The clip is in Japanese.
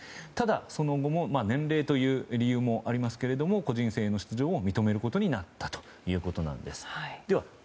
ただ、その後も年齢という理由もありますけれども個人戦の出場を認めることになったということです。